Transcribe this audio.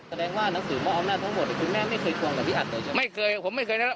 แสดงว่าหนังสือมอนทั้งหมดคุณแม่ไม่เคยทวงกับพี่อัดเลยใช่ไหม